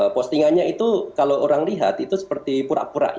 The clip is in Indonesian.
postingannya itu kalau orang lihat itu seperti pura pura